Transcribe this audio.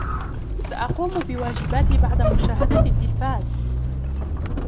سأقوم بواجباتي بعد مشاهدة التلفاز.